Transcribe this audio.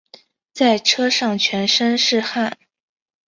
在车上全身是汗